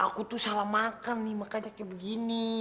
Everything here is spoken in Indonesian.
kamu salah makan nih makanya kayak begini